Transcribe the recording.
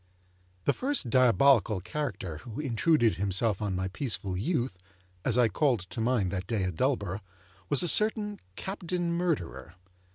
The first diabolical character who intruded himself on my peaceful youth (as I called to mind that day at Dullborough), was a certain Captain Murderer.